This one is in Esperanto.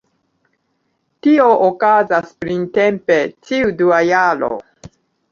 Tio okazas printempe ĉiu dua jaro.